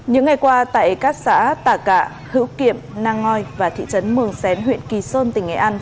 những ngày qua tại các xã tà cạ hữu kiệm nang ngoi và thị trấn mường xén huyện kỳ sơn tỉnh nghệ an